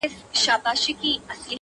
رقیبانو په پېغور ډېر په عذاب کړم،